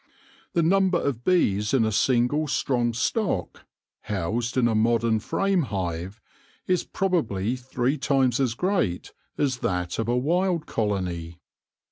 The number of bees in a single strong stock, housed in a modern frame hive, is probably three times as great as that of a wild colony.